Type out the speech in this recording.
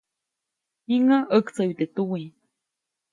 Jiŋäʼ ʼaktsayu teʼ tuwiʼ.